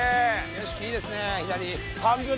景色いいですね左。